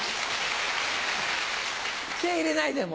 毛入れないでもう。